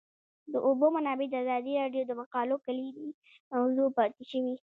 د اوبو منابع د ازادي راډیو د مقالو کلیدي موضوع پاتې شوی.